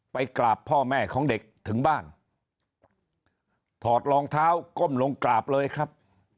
ไปกราบพ่อแม่ของเด็กถึงบ้านถอดรองเท้าก้มลงกราบเลยครับ